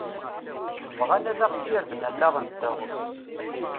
Bɣan ad ɣ-sirden allaɣ-nteɣ.